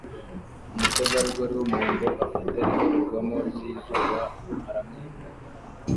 Umutegarugori wumuhondo ufite indorerwamo zizuba aramwenyura